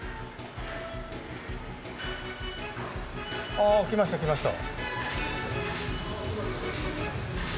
あっ、来ました来ました。